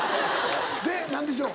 で何でしょう？